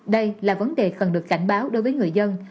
đây là vấn đề cần được cảnh báo đối với người dân